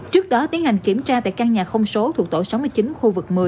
trước đó tiến hành kiểm tra tại căn nhà không số thuộc tổ sáu mươi chín khu vực một mươi